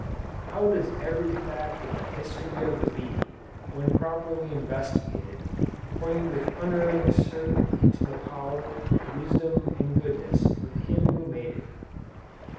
How does every fact in the history of the bee, when properly investigated, point with unerring certainty to the power, wisdom and goodness, of Him who made it!